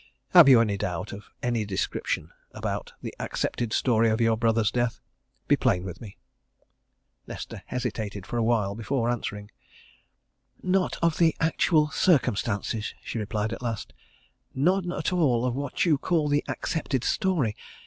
"Have you any doubt of any description about the accepted story of your brother's death? Be plain with me!" Nesta hesitated for awhile before answering. "Not of the actual circumstances," she replied at last, "none at all of what you call the accepted story.